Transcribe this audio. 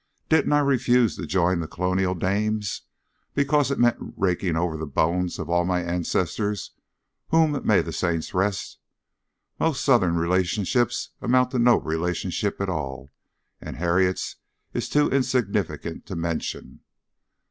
Didn't I refuse to join the Colonial Dames because it meant raking over the bones of all my ancestors whom may the Saints rest! Most Southern relationships amount to no relationship at all, and Harriet's is too insignificant to mention."